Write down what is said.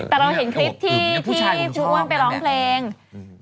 แต่เราเห็นคลิปที่ผู้ว่างไปร้องเพลง